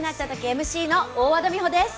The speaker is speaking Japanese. ＭＣの大和田美帆です。